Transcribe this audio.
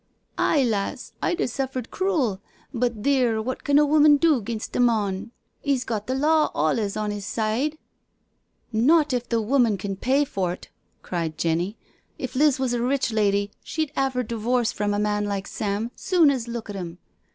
Aye, lass, I'd a suffered crool— but theer, wot can a woman do 'ginst a mon? 'E's got the law olez on 'is side .••'*" Not if the woman can pay for't," cried Jenny. " If Liz was a rich lady she'd 'ave 'er divorce from a man like Sam, soon as look at 'im.